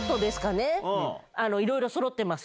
いろいろそろってます。